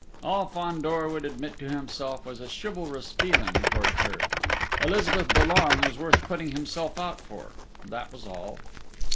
All Fandor would admit to himself was a chivalrous feeling towards her Elizabeth Dollon was worth putting himself out for that was all!